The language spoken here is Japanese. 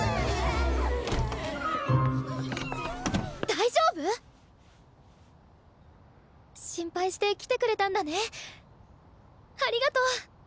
大丈夫⁉心配して来てくれたんだねありがとう！